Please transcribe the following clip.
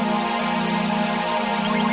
terima kasih sudah dwali nanti